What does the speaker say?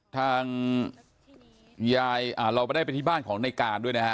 ทางยายเราก็ได้ไปที่บ้านของในการด้วยนะฮะ